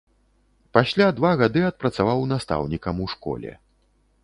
Пасля два гады адпрацаваў настаўнікам у школе.